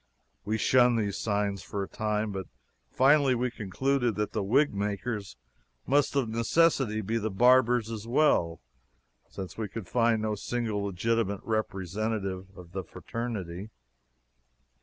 We shunned these signs for a time, but finally we concluded that the wig makers must of necessity be the barbers as well, since we could find no single legitimate representative of the fraternity.